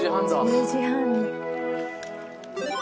１０時半に。